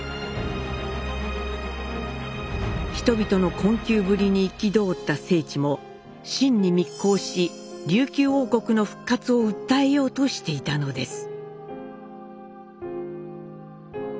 人々の困窮ぶりに憤った正知も清に密航し琉球王国の復活を訴えようとしていたのです。